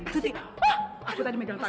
aku tadi megang tangannya